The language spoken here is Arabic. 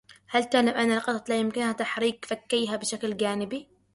هل تعلم أن القطط لا يمكنها تحريك فكّيها بشكل جانبي.